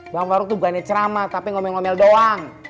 bang farouk tuh bukannya ceramah tapi ngomel ngomel doang